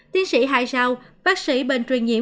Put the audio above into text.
tiến sĩ hai sao bác sĩ bệnh truyền nhiễm